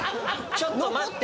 ちょっと待って。